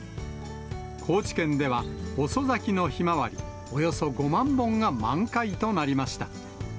高知県では、遅咲きのヒマワリ、およそ５万本が満開となりました。